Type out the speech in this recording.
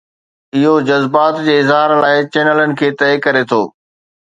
اهو جذبات جي اظهار لاء چينلن کي طئي ڪري ٿو.